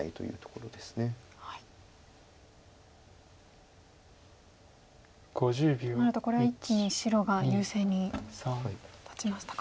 となるとこれは一気に白が優勢に立ちましたか。